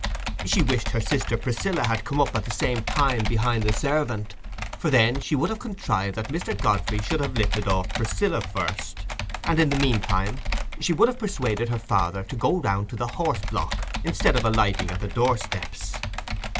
She wished her sister Priscilla had come up at the same time behind the servant, for then she would have contrived that Mr. Godfrey should have lifted off Priscilla first, and, in the meantime, she would have persuaded her father to go round to the horse block instead of alighting at the door steps.